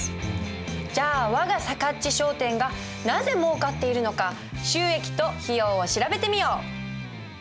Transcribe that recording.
じゃあ我がさかっち商店がなぜもうかっているのか収益と費用を調べてみよう。